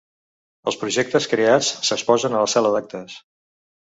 Els projectes creats s'exposen a la sala d'actes.